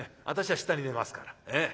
私は下に寝ますから。